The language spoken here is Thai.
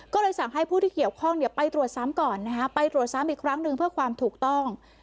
ก็เลยสั่งให้ผู้ที่เกี่ยวข้องไปตรวจซ้ำก่อนนะฮะไปตรวจซ้ำอีกครั้งหนึ่งเพื่อความถูกต้อง